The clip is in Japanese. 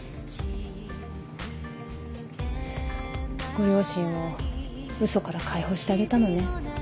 ご両親を嘘から解放してあげたのね。